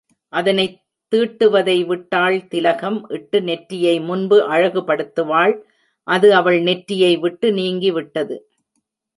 அதனைத் தீட்டுவதை விட்டாள் திலகம் இட்டு நெற்றியை முன்பு அழகுபடுத்துவாள் அது அவள் நெற்றியை விட்டு நீங்கிவிட்டது.